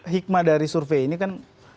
hikmah dari survei ini kan